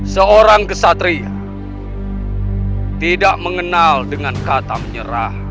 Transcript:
seorang kesatria tidak mengenal dengan kata menyerah